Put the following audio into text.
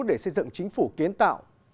để xây dựng chính phủ kiến tạo